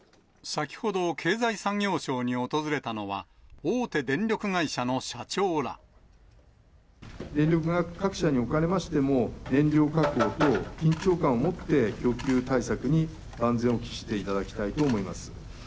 先ほど経済産業省に訪れたの電力各社におかれましても、電力確保等、緊張感をもって供給対策に万全を期していただきたいと思います。